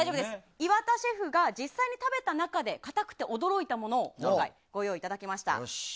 岩田シェフが実際に食べた中でかたくて驚いたものを今回ご用意いただきました。